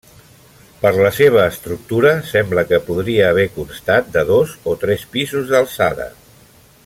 Per la seva estructura sembla que podria haver constat de dos o tres pisos d'alçada.